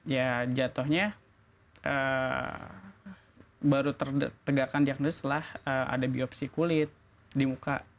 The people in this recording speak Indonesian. ya jatuhnya baru tertegakkan diagnos setelah ada biopsi kulit di muka